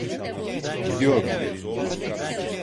Gidiyor mu?